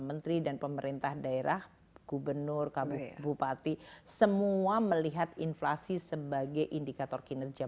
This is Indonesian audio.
menteri dan pemerintah daerah gubernur kabupaten semua melihat inflasi sebagai indikator kinerja